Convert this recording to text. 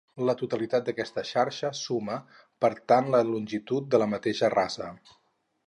La totalitat d'aquesta xarxa suma, per tant la longitud de la mateixa rasa.